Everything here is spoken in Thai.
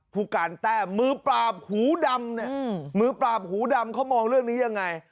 ผู้การแต้มมือปราบหูดำเนี่ยมือปราบหูดำเขามองเรื่องนี้ยังไง